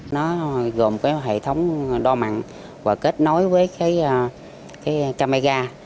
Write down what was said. nó gồm cái hệ thống đo mặn và kết nối với cái camera